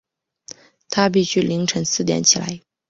她必须清晨四点起来